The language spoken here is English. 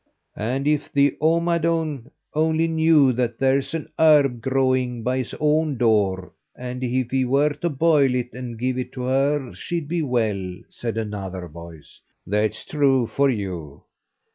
"And if the omadawn only knew that there's an herb growing up by his own door, and if he were to boil it and give it to her, she'd be well," said another voice. "That's true for you."